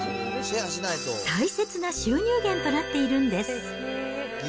大切な収入源となっているんです。